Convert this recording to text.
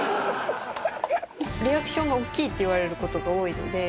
リアクションが大きいって言われることが多いので。